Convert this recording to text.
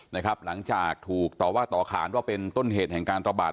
นะครับหลังจากถูกตอบว่าต่อขานก็เป็นต้นเหตุแห่งการตระบาด